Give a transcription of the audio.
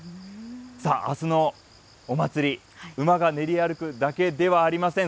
さあ、あすのお祭り、馬が練り歩くだけではありません。